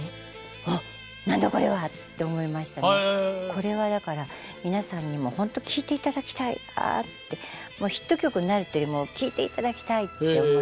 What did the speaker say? これはだから皆さんにもほんと聴いて頂きたいってヒット曲になるっていうよりも聴いて頂きたいって思いましたね。